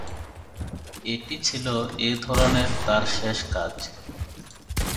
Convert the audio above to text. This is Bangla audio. এটি ছিল এ ধরনের তাঁর শেষ কাজ।